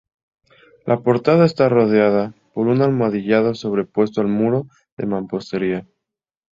La portada está rodeada por un almohadillado sobrepuesto al muro de mampostería.